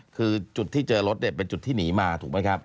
คือจุดที่เจอรถเนี่ยเป็นจุดที่หนีมาถูกไหมครับ